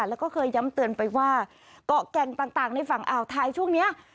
แล้วก็เคยย้ำเตือนไปว่าเกาะแก่งต่างในฝั่งอ่าวไทยช่วงนี้